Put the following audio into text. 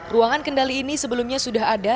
ruangan kendali ini sebelumnya sudah ada